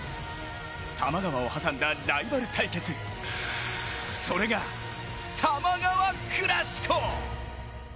多摩川を挟んだライバル対決それが多摩川クラシコ！